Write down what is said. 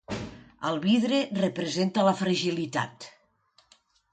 El vidre representa la fragilitat.